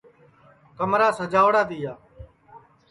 تو کمرا سجاوڑا تیا